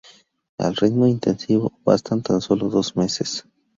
A ritmo intensivo, bastan tan solo dos meses.